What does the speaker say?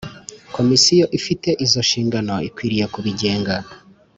Komisiyo ifite izo nshingano ikwiriye kubinenga